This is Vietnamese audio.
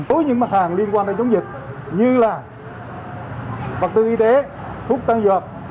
đối với những mặt hàng liên quan đến chống dịch như là vật tư y tế thuốc tăng dược